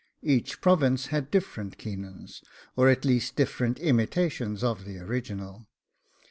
Each province had different Caoinans, or at least different imitations of the original.